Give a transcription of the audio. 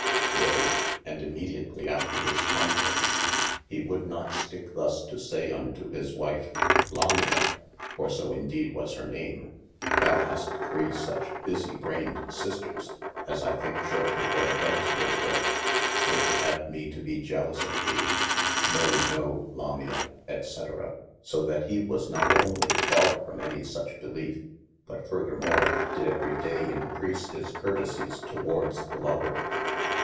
Yea, and immediatelie after this conference, he woulde not sticke thus to say unto his wife. Lamia (for so in deede was hir name) thou hast three such busie brained sisters, as I thinke shortlye their heads wyll breake : they woulde have me to bee jellous of thee, no no Lamia. &c. so that he was not onely far from any such beleefe, but furthermore dyd everye daye increase his curtesies towards the lover.